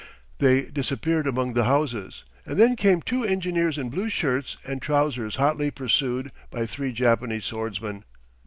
They disappeared among the houses, and then came two engineers in blue shirts and trousers hotly pursued by three Japanese swordsman.